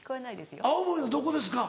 青森のどこですか？